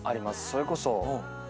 それこそ。